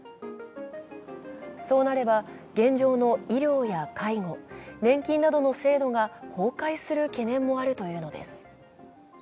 そうなれば現状の医療や介護、年金などの制度が崩壊する懸念もあるというのです。